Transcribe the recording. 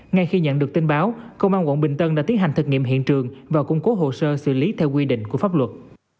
ngay khi nhận được tin báo công an quận bình tân đã tiến hành thực nghiệm hiện trường và cung cố hồ sơ xử lý theo quy định của pháp luật